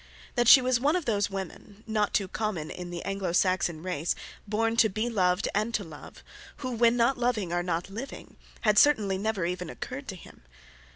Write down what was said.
That she was one of those women—not too common in the Anglo Saxon race—born to be loved and to love, who when not loving are not living, had certainly never even occurred to him.